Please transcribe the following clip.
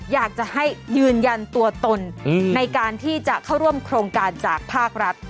อยากจะให้ยืนยันตัวตนในการที่จะเข้าร่วมโครงการจากภาครัฐ